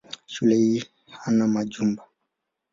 Shule hii hana majumba.